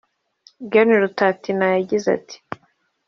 Gen Rutatina yagize ati